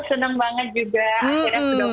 seneng banget juga akhirnya sudah pulang